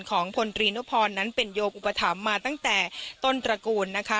ของพลตรีนุพรนั้นเป็นโยอุปถัมภ์มาตั้งแต่ต้นตระกูลนะคะ